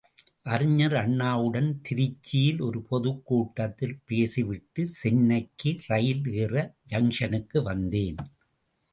அறிஞர் அண்ணாவுடன் திருச்சியில் ஒரு பொதுக் கூட்டத்தில் பேசிவிட்டு சென்னைக்கு ரயில் ஏற ஜங்ஷனுக்கு வந்தேன்.